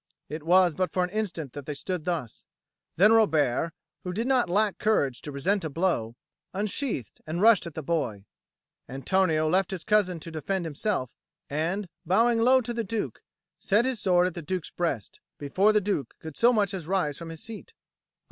It was but for an instant that they stood thus; then Robert, who did not lack courage to resent a blow, unsheathed and rushed at the boy. Antonio left his cousin to defend himself, and, bowing low to the Duke, set his sword at the Duke's breast, before the Duke could so much as rise from his seat.